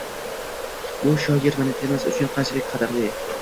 Bu shoir madaniyatimiz uchun qanchalik qadrli.